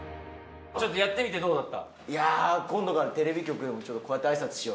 ちょっとやってみてどうだった？